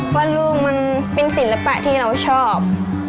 ว่าลูกมันเป็นศิลปะที่เราชอบ